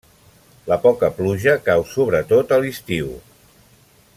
La poca pluja cau sobretot a l'estiu.